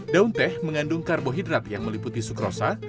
daun teh mengandung karbohidrat yang meliputi sukrosa